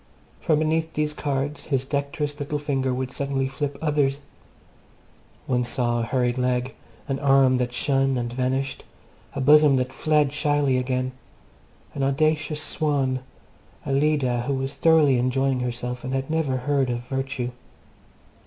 From beneath these cards his dexterous little finger would suddenly flip others. One saw a hurried leg, an arm that shone and vanished, a bosom that fled shyly again, an audacious swan, a Leda who was thoroughly enjoying herself and had never heard of virtue.